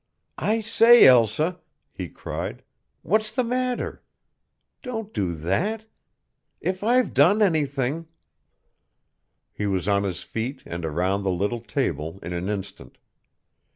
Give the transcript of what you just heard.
"I say, Elsa," he cried, "what's the matter? Don't do that. If I've done anything " He was on his feet and around the little table in an instant.